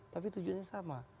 tapi tujuannya sama